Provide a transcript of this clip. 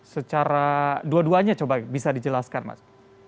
secara dua duanya coba bisa dijelaskan mas